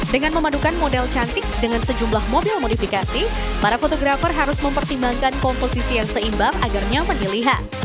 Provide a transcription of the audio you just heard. dengan memadukan model cantik dengan sejumlah mobil modifikasi para fotografer harus mempertimbangkan komposisi yang seimbang agar nyaman dilihat